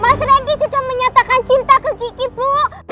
mas randy sudah menyatakan cinta ke kiki bu